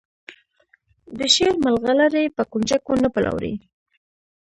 د شعر مرغلرې په کونجکو نه پلوري.